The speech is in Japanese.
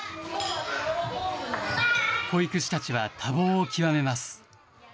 保育士たちは多忙を極めます。